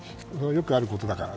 よくあることだから。